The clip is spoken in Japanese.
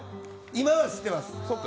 今は知ってます。